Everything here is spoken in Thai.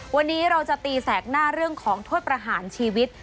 วันนี้เราจะตีแสกหน้าเรื่องของโทษประหารชีวิต